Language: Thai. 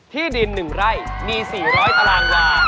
ที่ดิน๑ไร่มี๔๐๐ตารางวา